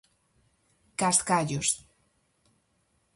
Cascallos.